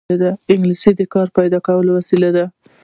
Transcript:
انګلیسي د کار پیدا کولو وسیله ده